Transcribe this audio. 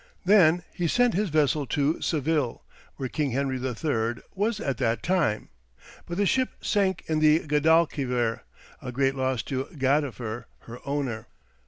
Then he sent his vessel to Seville, where King Henry III. was at that time; but the ship sank in the Guadalquiver, a great loss to Gadifer, her owner.